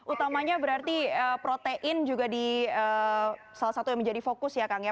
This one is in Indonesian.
utamanya berarti protein juga di salah satu yang menjadi fokus ya kang ya